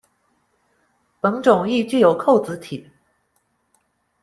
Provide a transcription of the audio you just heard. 本种亦具有扣子体。